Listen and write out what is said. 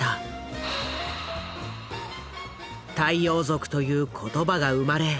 「太陽族」という言葉が生まれ